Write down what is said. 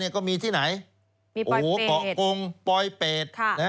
ก็มีที่ไหนมีปลอยเปดของปลอยเปด